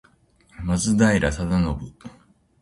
松平定信